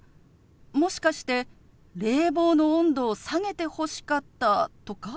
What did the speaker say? もしかして冷房の温度を下げてほしかったとか？